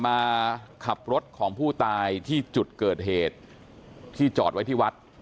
มาขับรถของผู้ตายที่จุดเกิดเหตุที่จอดไว้ที่วัด